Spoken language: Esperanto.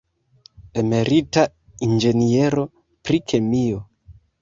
Emerita inĝeniero pri kemio.